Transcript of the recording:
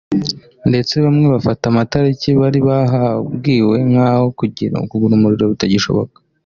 ndetse bamwe bafata amatariki bari babwiwe nk’aho kugura umuriro bitagishobotse